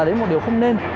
đấy là một điều không nên